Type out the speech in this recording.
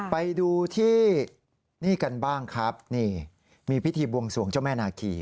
ไปดูที่นี่กันบ้างครับนี่มีพิธีบวงสวงเจ้าแม่นาคี